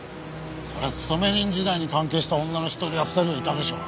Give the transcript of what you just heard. そりゃ勤め人時代に関係した女の一人や二人はいたでしょう。